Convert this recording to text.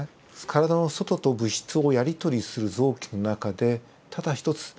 体の外と物質をやり取りをする臓器の中でただ一つ